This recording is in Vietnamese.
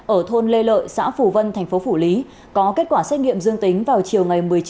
ở thôn lê lợi xã phủ vân tp phủ lý có kết quả xét nghiệm dương tính vào chiều một mươi chín chín